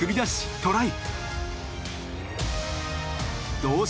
トライ。